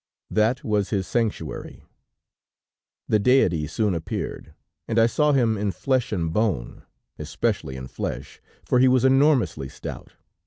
That was his sanctuary; the deity soon appeared, and I saw him in flesh and bone; especially in flesh, for he was enormously stout.